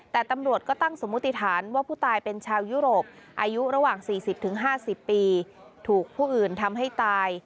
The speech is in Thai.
แต่ตำรวจก็ตั้งสมมุติฐานว่าผู้ตายเป็นชาวยุโรปอายุระหว่าง๔๐๕๐ปีถูกผู้อื่นทำให้ตาย